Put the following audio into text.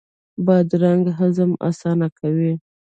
بادرنګ هضم اسانه کوي.